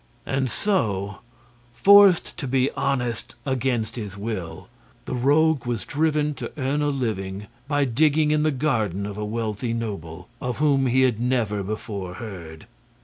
And so, forced to be honest against his will, the Rogue was driven to earn a living by digging in the garden of a wealthy noble, of whom he had never before heard.